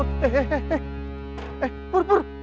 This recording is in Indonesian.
eh pur pur